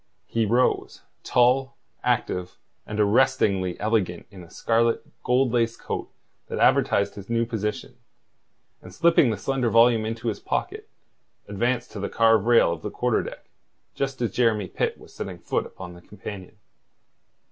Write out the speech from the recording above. He rose, tall, active, and arrestingly elegant in a scarlet, gold laced coat that advertised his new position, and slipping the slender volume into his pocket, advanced to the carved rail of the quarter deck, just as Jeremy Pitt was setting foot upon the companion.